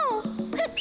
ふっ！